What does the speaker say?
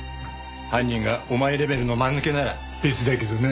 犯人がお前レベルの間抜けなら別だけどな。